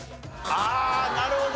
ああなるほど。